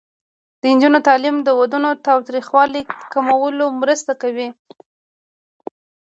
د نجونو تعلیم د ودونو تاوتریخوالي کمولو مرسته کوي.